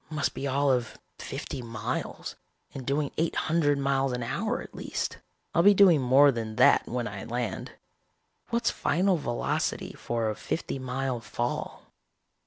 Must be all of fifty miles, and doing eight hundred miles an hour at least. I'll be doing more than that when I land. What's final velocity for a fifty mile fall?